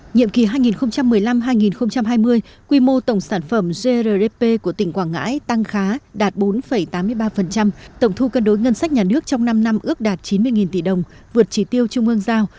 nhiệm kỳ hai nghìn một mươi năm hai nghìn hai mươi quy mô tổng sản phẩm grdp của tỉnh quảng ngãi tăng khá đạt bốn tám mươi ba tổng thu cân đối ngân sách nhà nước trong năm năm ước đạt chín mươi tỷ đồng vượt trí tiêu trung ương giao